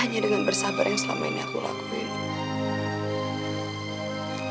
hanya dengan bersabar yang selama ini aku lakuin